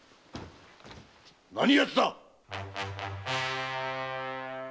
何やつだ！